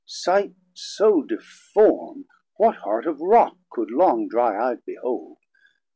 490 Sight so deform what heart of Rock could long Drie ey'd behold?